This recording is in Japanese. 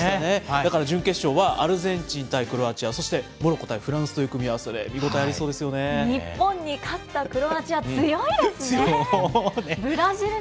だから準決勝はアルゼンチン対クロアチア、そしてモロッコ対フランスという組み合わせで、見応えありそうで日本に勝ったクロアチア、強そうね。